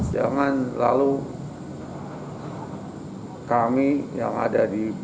jangan lalu kami yang ada di